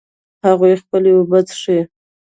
هغوی خپلې اوبه څښي